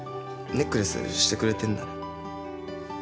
ネックレスしてくれてんだね。